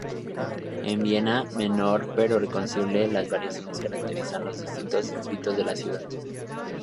En Viena, menor pero reconocible, las variaciones caracterizan los distintos distritos de la ciudad.